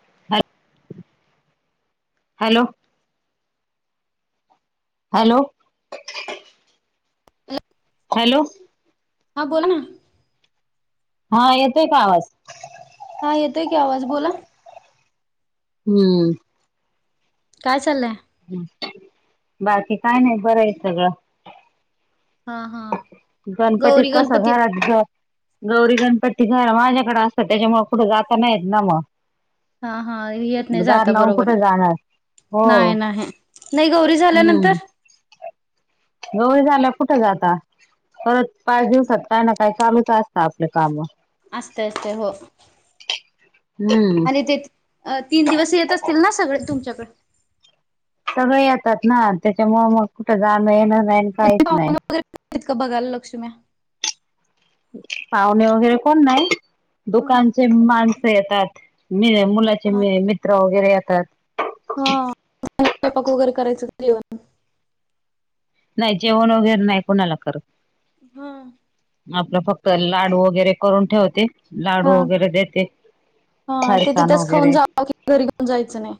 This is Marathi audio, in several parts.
[inaudible] हॅलो हॅलो [inaudible] हॅलो हा बोला ना. हां येतोय का आवाज? हा येतोय की आवाज बोला. हम्म काय चाललय? बाकी काय नाही बर आहे सगळ. हा हा गौरी गणपतीचा सगळा गणपती [unintelligible] गौरी गणपती घर माझ्याकडे असत त्याच्यामुळ कुठ जाता येत नाही ना मग. हा हा येत नाही दार जात लावून बरोबर कुठे आहे. जाणार हो नाही नाही नाही गौरी झाल्यानंतर? हम्म गौरी झाल्यावर कुठ जाता, परत पाच दिवसात काय ना काय चालूच असत आपले काम. असत असत हो. हम्म आणि तीन दिवस येत असतील ना सगळे तुमच्याकडे? सगळे येतात ना त्याच्यामुळ मग कुठ जाण येण नाही. मग काहीच तेव्हा नाही [unintelligible] येतात का बघायला लक्ष्मीम्या. पाहुणे वगैरे कोण नाही,, दुकानचे माणसं येतात. मी मुलाचे म मित्र वगैरे येतात. हा, त्यांना सैपाक वगैरे करायचं का जेवण. नाही जेवण वगैरे नाही कुणाला करत. हां. आपलं फक्त लाडू वगैरे करून ठेवते,, हा लाडू वगैरे देते. हा, ते फरसान तिथेच खाऊन वगैरे जाव, घरी घेऊन जायचं नाही.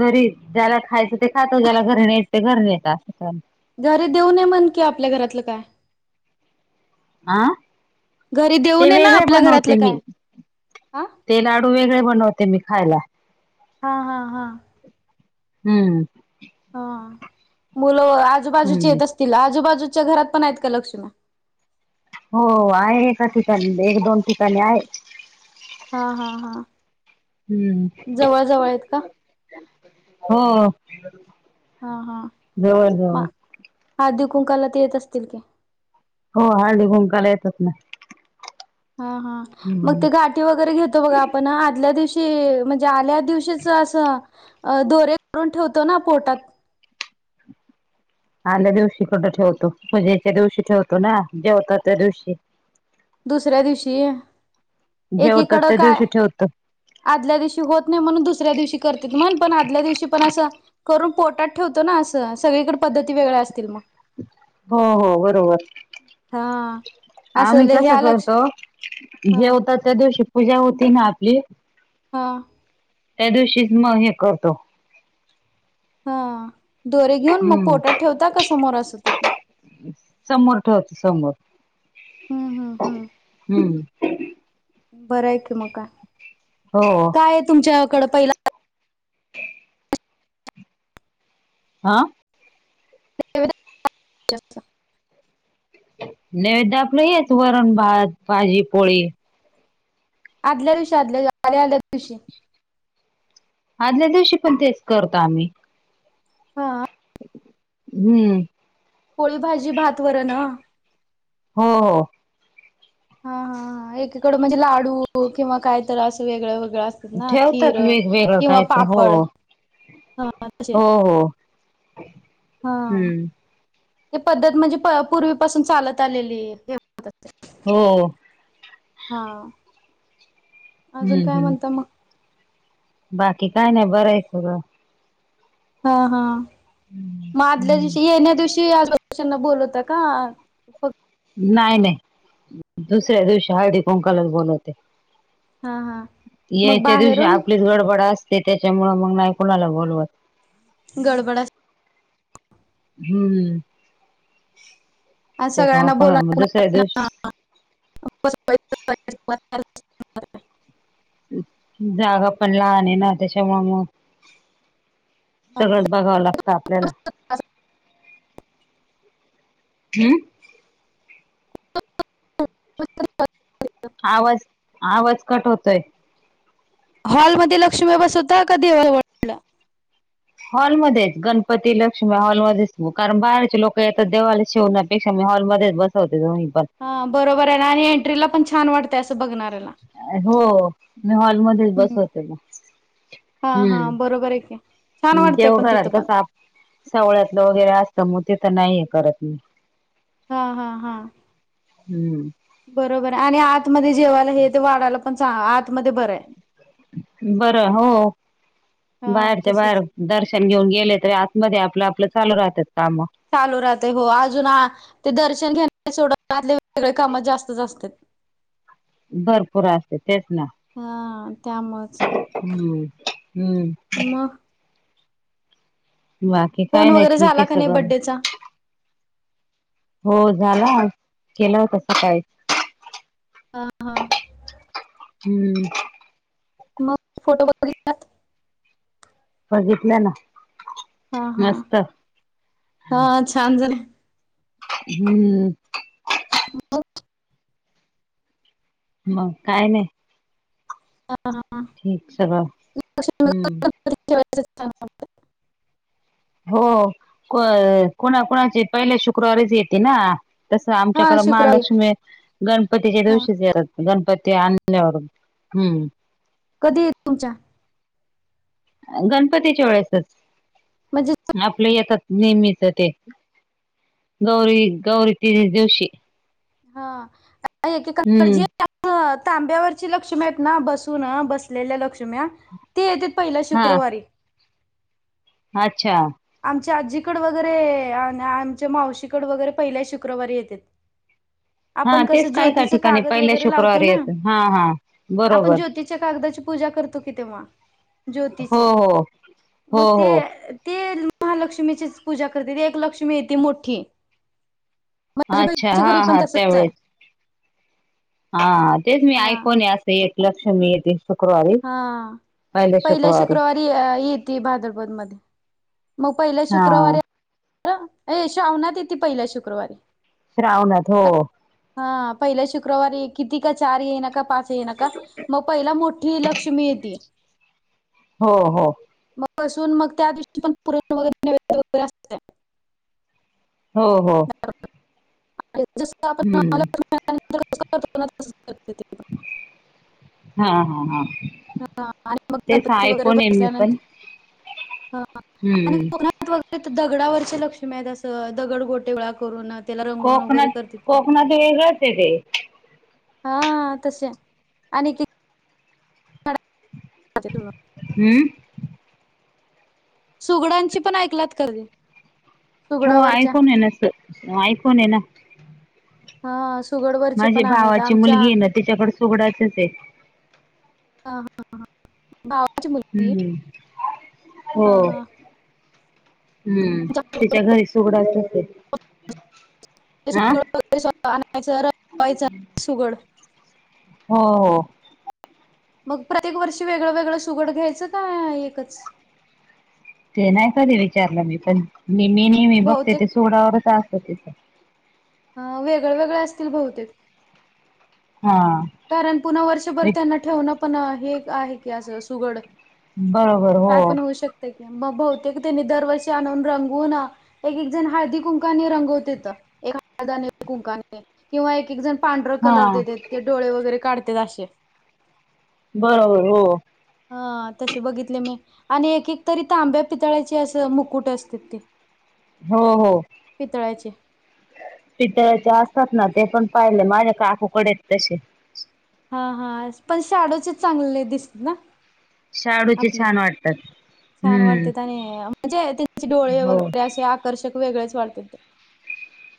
घरी, ज्याला खायचं ते खातो,, ज्याला घरी न्यायचं ते घरी नेतं, असं करतं घरी देऊ ने म्हण की आपल्या घरातलं काय. हा घरी देऊ ते नये ना वेगळे आपल्या बनवते घरातलं मी काय. हा ते लाडू वेगळे बनवते मी खायला. हा हा हा. हम्म. हा, मुलं आजूबाजूची हम्म येत असतील, आजूबाजूच्या घरात पण आहेत का लक्ष्मी.? हो आहे एका ठिकाणी, एक दोन ठिकाणी आहे. हा हा हा, हम्म जवळ जवळ आहेत का? हो. हा हा, जवळ जवळ म आळदी कुंकाला ते येत असतील की. हो, हळदी कूंकायला येतात ना. हा हा, मग हम्म ते गाठ ठी वगैरे घेतो बघा आपण, आदल्या दिवशी म्हणजे आल्या दिवशीच असं अ दोरे करून ठेवतो ना पोटात. आांल्या दिवशी कुठं ठेवतो,,, पुजेच्या दिवशी ठेवतो ना, जेवता त्या दिवशी. दुसऱ्या दिवशी,, जेवतात एकीकडं त्या काय दिवशी ठेवतो आदल्या दिवशी होत नाही म्हणून दुसऱ्या दिवशी करतेत म्हण,, पण आदल्या दिवशी पण असं करून पोटाात ठेवतो ना असं,, सगळीकडं पद्धती वेगळ्या असतील मग. हो हो बरोबर. हा आमी असं कसं ह्या लक्ष करतो,, हा जेवता त्या दिवशी पूजा होती ना आपली हा. त्या दिवशीच मग हे करतो. हा,, दोरे घेऊन मग हम्म पोटात ठेवता का समोर असं तिन? समोर ठेवतो समोर,, हम्म हम्म हम्म. बरंय की मग काय. हो. काय तुमच्याकडं पहिला हां. त्याच नैवेद्य आपलं हेच वरण भात भाजी पोळी. आदल्या दिवशी आदल्या दिवशी, आल्या आदल्या दिवशी. आदल्या दिवशी पण तेच करतो आम्ही. हा हम्म. पोळी भाजी भात वरन आ. हो हो. हा हा हा, एकीकडे म्हणजे लाडू किंवा काय तर असं वेगळं वेगळं असं ना ठेवतात खीरं,, वेगवेगळं किंवा काय तर पापड,, हा तशे. होऽ हम्म. ते पद्धत म्हणजे पूर्वीपासून चालत आलेलीय, हे होतं. हो हां. अजून हम्म काय हम्म म्हणत मग? बाकी काय नाही, बरंय सगळं. हा हा,, म आदल्या हम्म दिवशी येण्या दिवशी की आजूबाजूच्यांना बोलवता का की नाही नाही,, दुसऱ्या दिवशी हळदी कोंकालच बोलवते. हा हा मग येत्या दिवशी बाहेरून आपलीच गडबड आसते त्याच्यामुळं मग नाही कुणाला बोलवत. गडबड आस हम्म्म. आ सगळ्यांना बोल दिवशी [unintelligible] जागा पण लहान आहे ना, त्याच्यामुळं मग सगळंच बघावं लागतं आपल्याला. [unintelligible] हम्म आवाज, आवाज कट होतोय. हॉलमध्येध्ये लक्ष्म्या बसवता का देवाजवळ.? हॉलमध्येच,,, गणपती लक्ष्मी हॉलमध्येध्येच कारण बाहेरचे लोकं येतात, देवाला शेवण्यापेक्षा मी हॉलमध्येच बस बसवते मी पण. हा बरोबर आहे ना, आणि एंट्री ला पण छान वाट त्या असं बघणार्याला. हो,, मी हॉलमध्येध्येच बसवते. हा हा हम्म्,, बरोबर आहे की छान आणि वाटतंय पण देवघरात तिथं पण कसं आपण सवळ्यातलं वगैरे असतं मग तीथं नाही ये करत मी. हा हा हा हम्म बरोबर, आणि आतमध्ये जेवायला हे ते वाढायला पण चां आतमध्ये बरंय. बरं हो,, हा बाहेरच्या तसच बाहेर दर्शन घेऊन गेले तर आतमध्ये आपलं आपलं चालू राहतं कामं. चालू राहतय हो, अजून ते दर्शन घेण्या सोडतले आदल्या दिवशी सगळी कामं जास्तच असतय भरपूर असतं तेच ना. हा त्यामुळंच. हम्म हम्म. मग बाकी काय फोन नाही, वगैरे ठीक आहे झाला का नाही सगळं. बड्डेचा हो झाला,, केलं होता सकाळी हा हा. हम्म. मग फोटो बघ बघितले ना. हा हा,, मस्त हा छान झाले. हम्म्म. [unintelligible] मग काय नाही. ह हा ठीक सगळं हम्म [unintelligible] हो,, कोणाकोणाचे पहिल्या शुक्रवारीच येते ना. तसं हा आमच्याकडं शुक्रवारी महालक्ष्मी, गणपतीच्या हा दिवशी येतात. गणपती आणल्यावर, हम्म. कधी ये तुमच्या? गणपतीच्या वेळेसच,, म्हणजे आपल्या येतात नेहमीच ते,, गौरी गौरी येती त्या दिवशी. हा, काय एकेकाकडं हम्म जे तांब्यावरची लक्ष्मी आहेत ना, बसून बसलेल्या लक्ष्म्या ते येतय पहिल्या हा शुक्रवारी. अच्छा. आमच्या आजीकडं वगैरे आणि आमच्या मावशीकडं वगैरे पहिल्या शुक्रवारी येतेत. हा आपण कसं तेच कायी काही ज्योतीचं ठिकाणी कागद पहिल्या वगैरे लावतो शुक्रवारी ना येतं,, हा हा बरोबर. च्या कागदाची पूजा करतो की तेव्हा,, हो ज्योतीची, हो मग हो ते हो ते महालक्ष्मीचीच पूजा करते ते एक लक्ष्मी ये ती मोठी. माझ्या अच्छा बहिणीच्या हा घरी पण हा तसंच आहे. त्यावेळेस हा तेच मी हा ऐकुन ये असं एक लक्ष्मी येते शुक्रवारी. हा पहिल्या शुक्रवारी येते भाद्रपद मधे. मग पहिल्या हा शुक्रवारी हे श्रावणात येते पहिल्या शुक्रवारी. श्रावणात हो हा पहिल्या शुक्रवारी किती का चार येईना का पाच येईना का, मग पहिला मोठ ठी लक्ष्मी येतेय. हो हो मग बसुन मग त्या दिवशी पण पुरणपोळी वैगरे नैवेद्य वैगरे असतय. हो हो. स हम्म आपणस करतो [unintelligible] हा हा हा. हा हा, आणि मग तेच गणपती वगैरे ऐकून आहे मी पण बसल्यानंतर,, हां हां आणि हम्म त वगैरे तर दगडावरचे लक्ष्मी आहेत असं दगड गोटेगोळा करून त्याला रंगवून वगैरे करत्यात की. वेगळच आहे ते. हा तसे,, आणि कि तुम्हाला [unintelligible] हम्म. सुगडांची पण ऐकलात कदी? हो आयकुन आहे ना असं, अ आयकून आहे ना. हा सुगडवरचे पण माझ्या आहेत भावाची आमच्या मुलगी आहे ना तिच्याकडे सुगडाचच आहे हा हा. भावाची मुलगी,, हम्म हा हो हा हम्म जा तिच्या घरी सुगडाच असते. ते सुगड स्वतः आणायचं, रंगवायचं सुगड. हो हो मग प्रत्येक वर्षी वेगळं वेगळं सुगड घ्यायचं काय एकच? ते नाही कधी विचारलं मी, पण नेहमी नेहमी बघते बहुतेक ते सुगडावरच असतं तिचं. हा वेगळं वेगळं असतील बहुतेक. हा. कारण पुन्हा वर्षभर त्यांना ठेवणं पण हे एक आहे की असं सुगड बरोबर काय हो पण होऊ शकतं की,, मग बहुतेक त्यांनी दरवर्षी आणून रंगवून एक एक जण हळदी कुंकाने रंगवतेेत,, एक हळदाने आणि एक कुंकाने,, किंवा एक एक जण पांढरं हा कलर देतेत, ते डोळे वगैरे काढतात अशे. बरोबर हो. हा तसे बघितले मी आणि एक एक तरी तांब्या पितळ्याचे असं मुकुट असतेत ते. हो हो. पितळ्याचे पितळ्याचे असतात ना, ते पण पाहिले माझ्या काकूकडे आहेत तशे. हा हा, पण शाडोचे चांगले दिसत ना. शाडूचे आपले छान वाटतात. छान वाटते हम्म आणि, म्हणजे त्यांचे डोळे हो वगैरे असे आकर्षक वेगळेच वाटतय ते.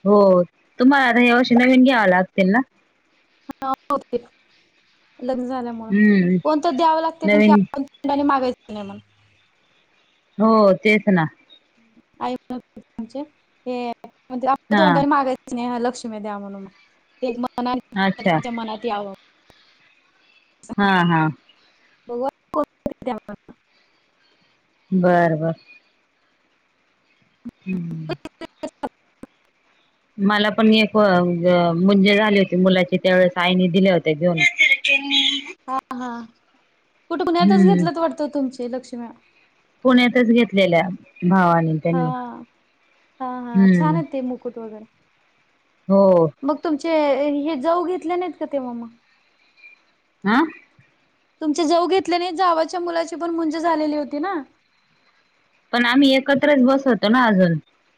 हो, तुम्हाला आता या वर्षी नवीन घ्यावं लागतील ना? हो बहुतेक, लग्न झाल्यामूळं, हम्म कोण तर द्यावं लागतं कारण की नवीन आपण आणि मागायचं बी नाही मग. हो तेच ना. आईम म्हणजे, हे म आपल्या हा तोंडाने मागायच स्नेह लक्ष्मी द्या म्हणून,, ते मना अच्छा त्यांच्या मनात यावं. हा हा. गवर कोणतर द्या म्हणून. बर बर. हम्म. [unintelligible] मला पण एक म्हणजे मूंजी झाली होती मुलाची त्यावेळेस आईने दिल्या होत्या घेऊन तनी हा हा,, कुठं पुण्यातच हम्म घेतलंत वाटतं तुमचे लक्ष्म्या पुण्यातच घेतलेल्या भावानी हा हा हा, छान आहेत ते मुकुट वगैरे हो मग तुमचे हे जाऊ घेतले नाहीत का तेव्हा मग हां तुमचे जाऊ घेतले नाही, जावंच्या मुलाची पण मूंज झालेली होती ना पण आम्ही एकत्रच बसवतो ना अजून,,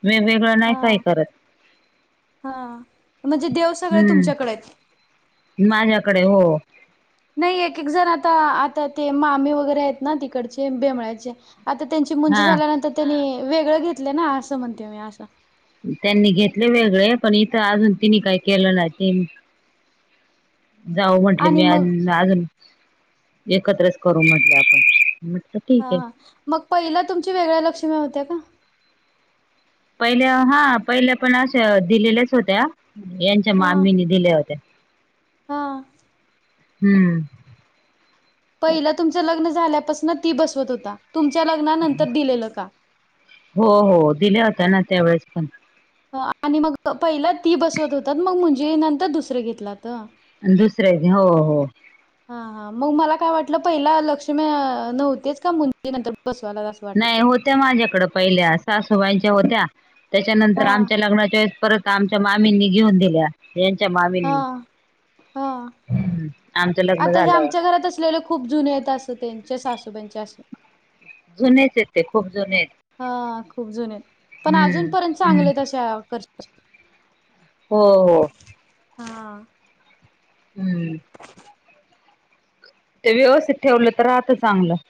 वेगवेग ळ नाही हा काही करत,,, हा म्हणजे देव सगळे हम्म तुमच्याकडे आहेत माझ्याकडे हो नाही एक एक जण आता,, आता ते मामी वगैरे आहेत ना तिकडचे बेमळाचे आता त्यांची मुंज हा झाल्यानंतर त्यांनी वेगळं घेतलं ना, असं म्हणते मी असं त्यांनी घेतलय वेगळे पण इथं अजून तिने काही केलं नाही,, तेन जाऊ म्हटली आणि मी मग अजून, एकत्रच करू म्हटलं मी आपण म म्हटलं ठीक हा आहे हा मग पहिल्या तुमच्या वेगळ्या लक्ष्म्या होत्या काय? पहिले हा पहिले पण अश्या दिलेल्याच होत्या यांच्या हा मामीने दिल्या होत्या. हा. हम्म. पहिलं तुमचं लग्न झाल्यापासन ती बसवत होता तुमच्या लग्नानंतर दिलेलं का? हो हो दिल्या होत्या ना त्यावेेळेस पण. आणि मग पहिला ती बसवत होतात मग मुंज नंतर दुसरं घेतल्यात? दुसऱ्या हो हो. हा हा मग मला काय वाटलं पहिला लक्ष्मी नव्हत्याच का [unintelligible] म्हणजे नंतर बसवाला अस. नाही होत्या माझ्याकडं पहिल्या सासूबाईंच्या होत्या त्याच्यानंतर हां आमच्या लग्नाच्या वेळेस परत आमच्या मामींनी घेऊन दिल्या यांच्या मामींनी हां हां आमचं लग्न आता हे झाल्यावर आमच्या घरात असलेले खूप जुने आहेतेत असं त्यांचे सासूब्यांचे असे जुनेच आहेत ते खूप जुने आहेत. हा खूप जुने आहेत. पण हम्म. अजूनपर्यंत हम्म चांगले तशा करत्या हो, हो. हा. हम्म. ते व्यवस्थित ठेवलं तर राहत चांगलं.